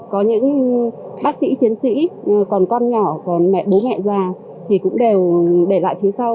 có những bác sĩ chiến sĩ còn con nhỏ còn mẹ bố mẹ già thì cũng đều để lại phía sau